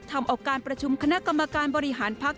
ทำเอาการประชุมคณะกรรมการบริหารพักษ